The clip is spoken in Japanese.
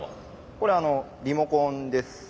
これリモコンです。